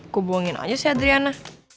gue buangin aja sih adriana